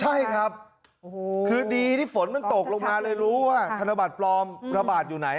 ใช่ครับคือดีที่ฝนมันตกลงมาเลยรู้ว่าธนบัตรปลอมระบาดอยู่ไหน